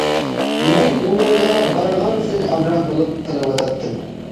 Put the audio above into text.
مەن ئۇنىڭغا بارغانسېرى ئامراق بولۇپ قېلىۋاتاتتىم.